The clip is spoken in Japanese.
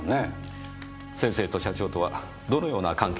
先生と社長とはどのような関係だったのでしょう？